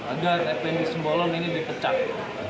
agar fnd simbolon ini dipecat